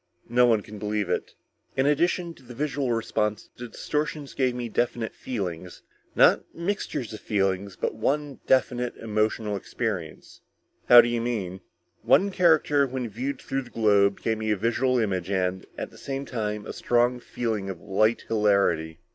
No one can believe it."_ "In addition to the visual response, the distortions gave me definite feelings. Not mixtures of feelings, but one definite emotional experience." "How do you mean?" "One character when viewed through the globe gave me a visual image and, at the same time, a strong feeling of light hilarity."